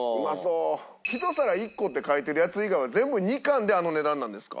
１皿１個って書いてるやつ以外は全部２貫であの値段なんですか。